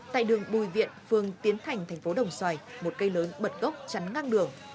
tại đường bùi viện phường tiến thành thành phố đồng xoài một cây lớn bật gốc chắn ngang đường